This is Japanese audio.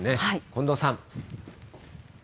近藤さん。